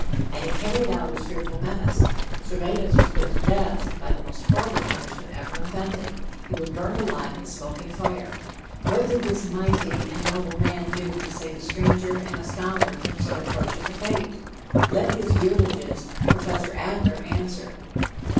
And he carried out his fearful menace; Servetus was put to death by the most horrible punishment ever invented he was burned alive in a smoking fire. What did this mighty and noble man do to save a stranger and a scholar from so atrocious a fate? Let his eulogist, Prof. Adler, answer.